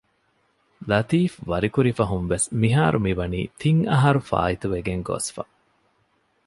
ލަތީފްވަރިކުރި ފަހުންވެސް މިހާރު މިވަނީ ތިން އަހަރު ފާއިތުވެގެން ގޮސްފަ